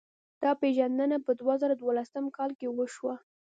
دا پېژندنه په دوه زره دولسم کال کې وشوه.